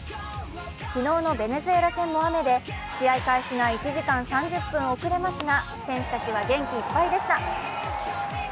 昨日のベネズエラ戦も雨で、試合開始が１時間３０分遅れますが、選手たちは元気いっぱいでした。